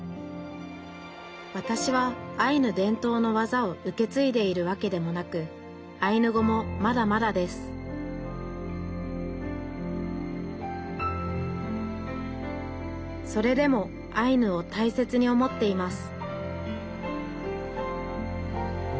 わたしはアイヌ伝統のわざを受け継いでいるわけでもなくアイヌ語もまだまだですそれでもアイヌを大切に思っています